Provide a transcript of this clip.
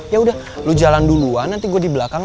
yaudah lo jalan duluan nanti gue di belakang